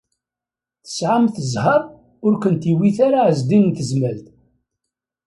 Tesɛamt zzheṛ ur kent-iwit ara Ɛezdin n Tezmalt.